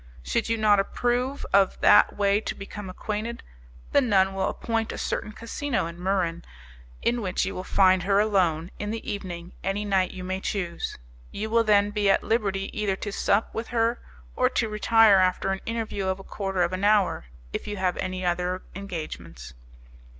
"Should you not approve of that way to become acquainted, the nun will appoint a certain casino in Muran, in which you will find her alone, in the evening, any night you may choose. You will then be at liberty either to sup with her, or to retire after an interview of a quarter of an hour, if you have any other engagements.